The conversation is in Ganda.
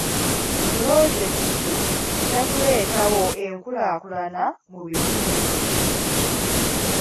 Pulojekiti ejja kuleetawo enkulaakulana mu bitundu.